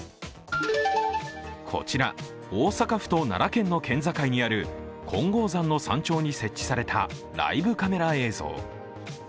こちら、大阪府と奈良県の県境にある金剛山の山頂に設置されたライブカメラ映像。